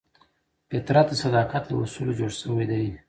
فطرت د صداقت له اصولو جوړ شوی دی.